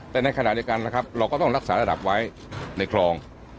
แต่ในขณะเดียวกันนะครับเราก็ต้องรักษาระดับไว้ในคลอง